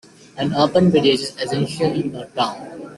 An 'urban' village is essentially a town.